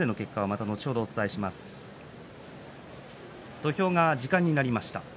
土俵が時間になりました。